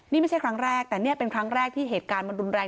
นี่ไม่ใช่ครั้งแรกแต่นี่เป็นครั้งแรกที่เหตุการณ์มันรุนแรง